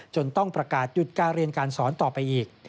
ต้องประกาศหยุดการเรียนการสอนต่อไปอีก